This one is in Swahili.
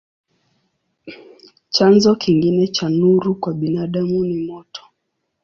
Chanzo kingine cha nuru kwa binadamu ni moto.